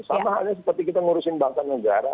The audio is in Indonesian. sama halnya seperti kita ngurusin bangsa negara